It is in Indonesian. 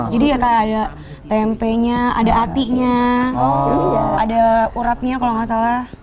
jadi kayak ada tempenya ada atinya ada urapnya kalau nggak salah